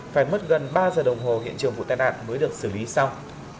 phải mất gần ba giờ đồng hồ hiện trường vụ tai nạn mới được xử lý xong